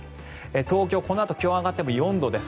東京はこのあと気温が上がっても４度です。